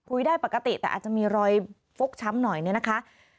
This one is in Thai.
ได้ปกติแต่อาจจะมีรอยฟกช้ำหน่อยเนี่ยนะคะ